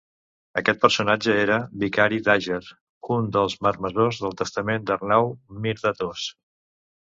Aquest personatge era vicari d'Àger, un dels marmessors del testament d'Arnau Mir de Tost.